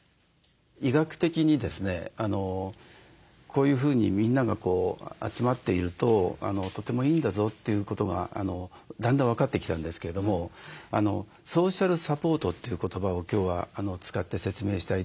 医学的にですねこういうふうにみんなが集まっているととてもいいんだぞということがだんだん分かってきたんですけれどもソーシャルサポートという言葉を今日は使って説明したいと思うんですけれども。